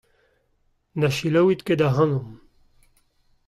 Na selaouit ket ac'hanomp.